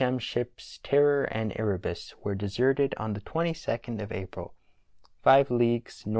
M. Ships Terror and Erebus were deserted on the 22nd of April, 5 leagues N.N.